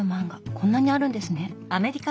こんなにあるんですね。